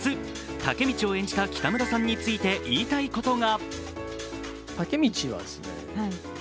タケミチを演じた北村さんについて言いたいことが。